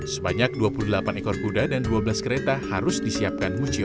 sebanyak dua puluh delapan ekor kuda dan dua belas kereta harus disiapkan mucio